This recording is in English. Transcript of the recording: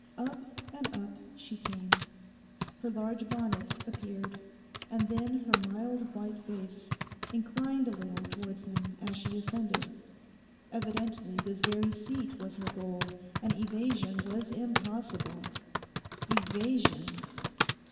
Up and up she came. Her large bonnet appeared, and then her mild white face, inclined a little towards him as she ascended. Evidently this very seat was her goal; and evasion was impossible. Evasion!...